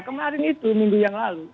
kemarin itu minggu yang lalu